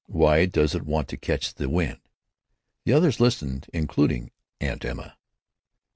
Why does it want to catch the wind?" The others listened, including even Aunt Emma.